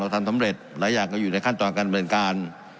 เราทำสำเร็จหลายอย่างก็อยู่ในขั้นต่อกันเหมือนกัน